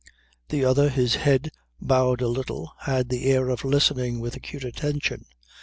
The other, his head bowed a little, had the air of listening with acute attention.